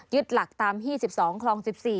ยึดหลักตามฮี่๑๒ครอง๑๔